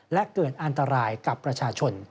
และเกิดอันตรายกับประชาชน